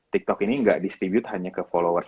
tiktok ini nggak distribute hanya ke followers